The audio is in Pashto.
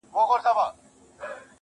هغه به چيري اوسي باران اوري، ژلۍ اوري